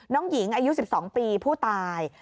น้องหญิงอายุ๑๒ปีผู้ตาย